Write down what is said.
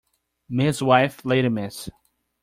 Mrs. wife lady Miss